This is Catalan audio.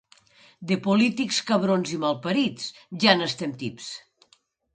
De polítics, cabrons i mal parits ja n'estem tips.